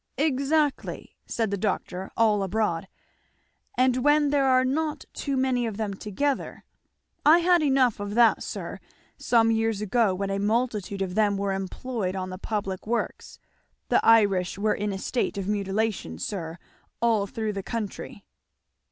"Exactly" said the doctor, all abroad, "and when there are not too many of them together. I had enough of that, sir, some years ago when a multitude of them were employed on the public works. The Irish were in a state of mutilation, sir, all through the country."